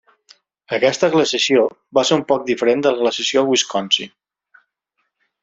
Aquesta glaciació va ser un poc diferent de la glaciació Wisconsin.